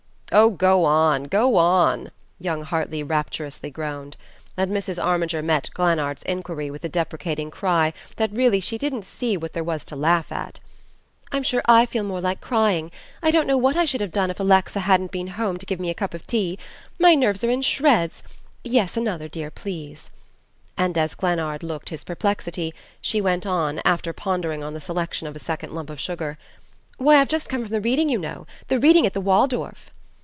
"Oh, go on, go on," young Hartly rapturously groaned; and Mrs. Armiger met Glennard's inquiry with the deprecating cry that really she didn't see what there was to laugh at. "I'm sure I feel more like crying. I don't know what I should have done if Alexa hadn't been home to give me a cup of tea. My nerves are in shreds yes, another, dear, please " and as Glennard looked his perplexity, she went on, after pondering on the selection of a second lump of sugar, "Why, I've just come from the reading, you know the reading at the Waldorf."